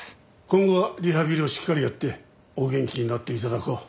今後はリハビリをしっかりやってお元気になって頂こう。